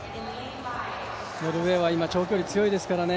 ノルウェーは今、長距離強いですからね。